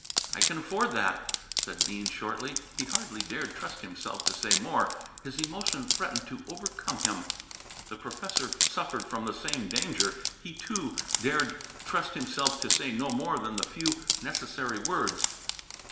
"I can afford that," said Bean shortly. He hardly dared trust himself to say more. His emotion threatened to overcome him. The professor suffered from the same danger. He, too, dared trust himself to say no more than the few necessary words.